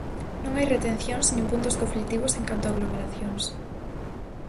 Non hai retencións nin puntos conflitivos en canto a aglomeracións.